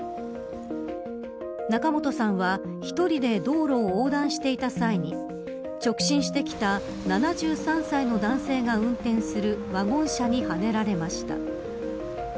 仲本さんは１人で道路を横断していた際に直進してきた７３歳の男性が運転するワゴン車にはねられました。